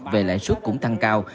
về lãi suất cũng tăng cao